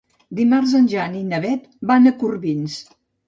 Dimarts en Jan i na Beth van a Corbins.